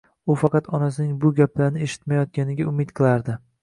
U faqat onasining bu gaplarni eshitmayotganiga umid qilardi